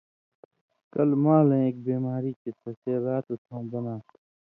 کلہۡ مالَیں ایک بیماری چے تسے رات اُتھٶں بناں تھہ۔